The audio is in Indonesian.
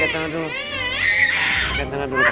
pakai celana dulu pakai celana dulu